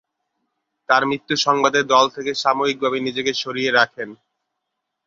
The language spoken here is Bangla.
তার মৃত্যু সংবাদে দল থেকে সাময়িকভাবে নিজেকে সরিয়ে রাখেন।